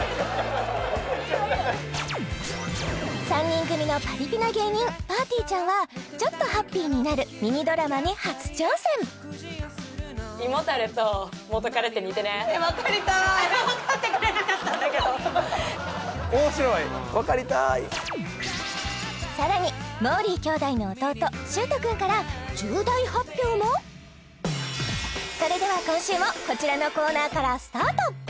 ３人組のパリピな芸人ぱーてぃーちゃんはちょっとハッピーになるミニドラマに初挑戦分かってくれなかったんだけどさらにそれでは今週もこちらのコーナーからスタート